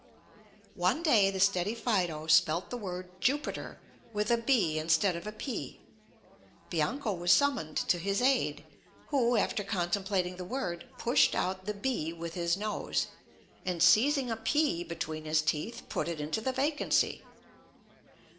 One day, the steady Fido spelt the word Jupiter with a b instead of a p; Bianco was summoned to his aid, who, after contemplating the word, pushed out the b with his nose, and seizing a p between his teeth, put it into the vacancy.